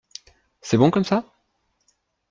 C’est bon comme ça ?